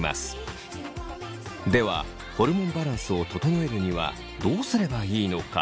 ではホルモンバランスを整えるにはどうすればいいのか。